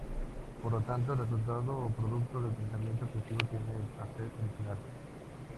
Por lo tanto, el resultado o producto del pensamiento creativo tiende a ser original.